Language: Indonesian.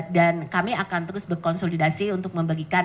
dan kami akan terus berkonsolidasi untuk memberikan